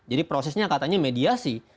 jadi prosesnya katanya mediasi